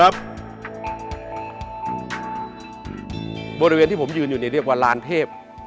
บริเวณที่ผมยืนอยู่เรียกว่าลานเทพ